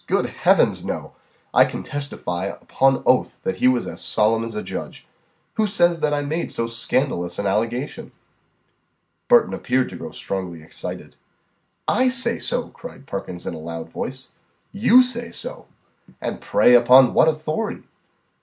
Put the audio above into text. Good heavens! no! I can testify, upon oath, that he was as solemn as a judge. Who says that I made so scandalous an allegation?" Burton appeared to grow strongly excited. "I say so," cried Perkins in a loud voice. "You say so? And, pray, upon what authority?"